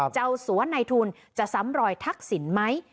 จะเอาสวนในทุนจะซ้ำรอยทักศิลป์ไหม